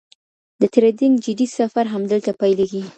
د ټریډینګ جدي سفر همدلته پیلېږي..